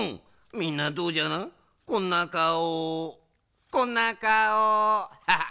みんなどうじゃなこんなかおこんなかお」ハハッ。